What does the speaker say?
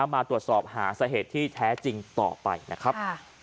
มาตรวจสอบหาสาเหตุที่แท้จริงต่อไปนะครับ